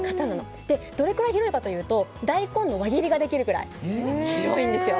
どれくらい広いかというと大根の輪切りができるくらい広いんですよ。